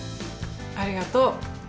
ありがとう。